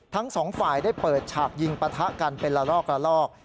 ทั้งสองฝ่ายได้เปิดฉากยิงปะทะกันเป็นละลอกละลอก